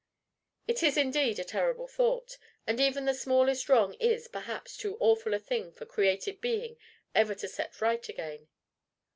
"It is indeed a terrible thought! And even the smallest wrong is, perhaps, too awful a thing for created being ever to set right again."